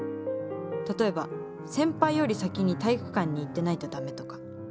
例えば先輩より先に体育館に行ってないと駄目とか。